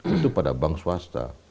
itu pada bank swasta